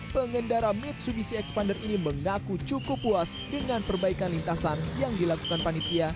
pengendara mitsubishi expander ini mengaku cukup puas dengan perbaikan lintasan yang dilakukan panitia